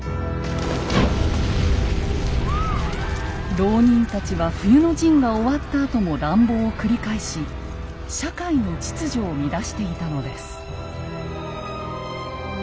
牢人たちは冬の陣が終わったあとも乱暴を繰り返し社会の秩序を乱していたのです。